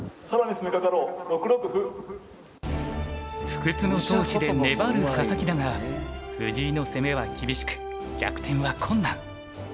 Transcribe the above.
不屈の闘志で粘る佐々木だが藤井の攻めは厳しく逆転は困難。